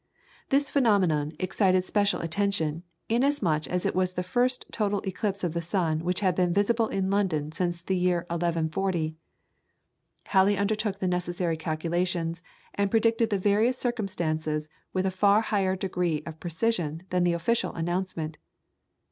This phenomenon excited special attention, inasmuch as it was the first total eclipse of the sun which had been visible in London since the year 1140. Halley undertook the necessary calculations, and predicted the various circumstances with a far higher degree of precision than the official announcement.